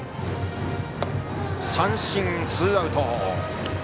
三振、ツーアウト。